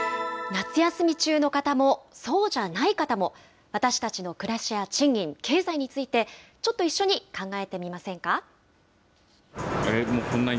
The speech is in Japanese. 夏休み中の方も、そうじゃない方も、私たちの暮らしや賃金、経済について、ちょっと一緒に考えてみませんか。